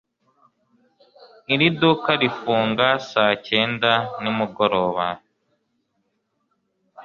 Iri duka rifunga saa cyenda nimugoroba.